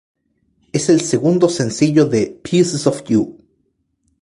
Es el segundo sencillo de "Pieces of you".